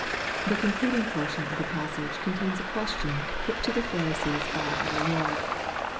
The conchiding portion of the passage, contains a question put to the Pharisees by our Lord.